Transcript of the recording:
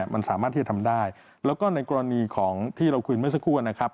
มันสามารถที่จะทำได้แล้วก็ในกรณีของที่เราคุยเมื่อสักครู่นะครับ